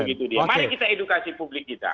mari kita edukasi publik kita